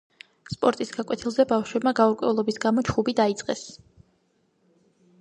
სპორტის გაკვეთილზე ბავშვებმა გაურკვევლობის გამო ჩხუბი დაიწყეს